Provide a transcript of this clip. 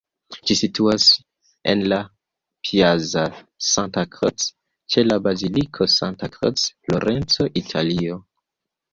Ĝi situas en la Piazza Santa Croce, ĉe la Baziliko Santa Croce, Florenco, Italio.